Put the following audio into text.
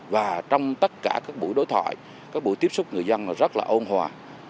và trong tất cả các buổi đối thoại các buổi tiếp xúc người dân rất là ôn hòa